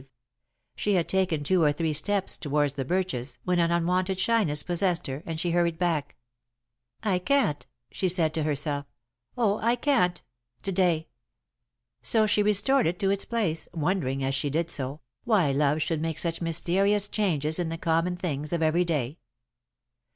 She had taken two or three steps toward the birches when an unwonted shyness possessed her, and she hurried back. "I can't," she said to herself. "Oh, I can't to day!" So she restored it to its place, wondering, as she did so, why love should make such mysterious changes in the common things of every day.